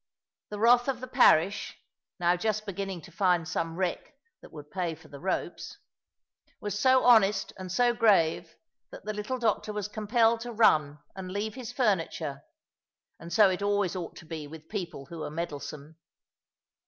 The wrath of the parish (now just beginning to find some wreck, that would pay for the ropes) was so honest and so grave, that the little doctor was compelled to run and leave his furniture. And so it always ought to be with people who are meddlesome.